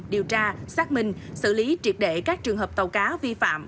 điều tra xác minh xử lý triệt đệ các trường hợp tàu cá vi phạm